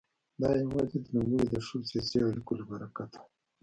دا یوازې د نوموړي د ښو سیاسي اړیکو له برکته وه.